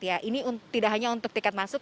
ini tidak hanya untuk tiket masuk